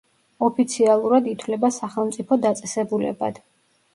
ოფიციალურად ითვლება სახელმწიფო დაწესებულებად.